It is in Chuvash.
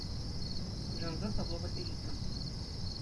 Кулянса табло патне ҫитрӗм.